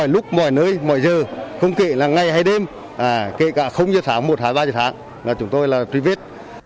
lúc mọi nơi mọi giờ không kể là ngày hay đêm kể cả giờ tháng một hai ba giờ tháng chúng tôi là truy vết